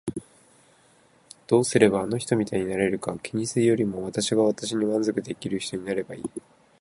どうすればあの人みたいになれるか気にするよりも私が私に満足できる人になればいい。